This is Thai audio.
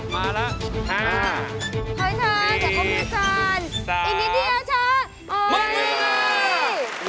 มาแล้ว